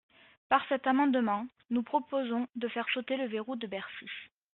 Par cet amendement, nous proposons de faire sauter le verrou de Bercy.